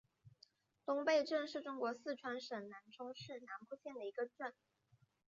东坝镇是中国四川省南充市南部县的一个镇。